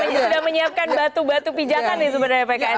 sudah menyiapkan batu batu pijakan nih sebenarnya pks ini